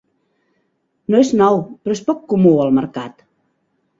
No és nou, però és poc comú al mercat.